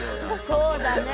そうだね。